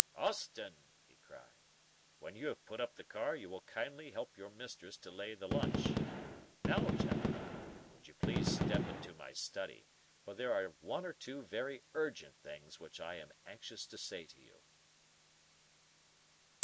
"Austin," he cried, "when you have put up the car you will kindly help your mistress to lay the lunch. Now, gentlemen, will you please step into my study, for there are one or two very urgent things which I am anxious to say to you."